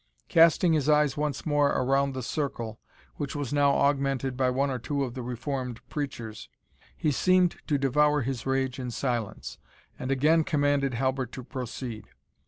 Casting his eyes once more around the circle, which was now augmented by one or two of the reformed preachers, he seemed to devour his rage in silence, and again commanded Halbert to proceed.